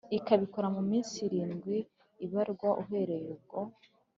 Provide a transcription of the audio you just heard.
ikabikora mu minsi irindwi ibarwa uhoreye ubwo